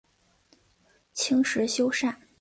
清时修缮。